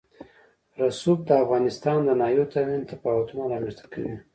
رسوب د افغانستان د ناحیو ترمنځ تفاوتونه رامنځ ته کوي.